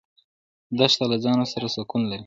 دښته له ځانه سره سکون لري.